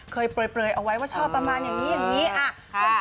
เคยเปรยเอาไว้ว่าชอบประมาณอย่างนี้อย่างนี้อะช่อง